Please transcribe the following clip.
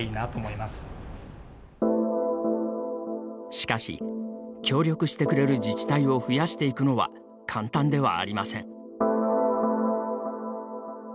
しかし、協力してくれる自治体を増やしていくのは簡単ではありません。